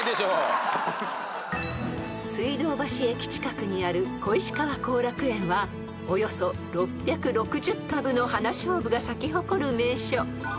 ［水道橋駅近くにある小石川後楽園はおよそ６６０株の花菖蒲が咲き誇る名所］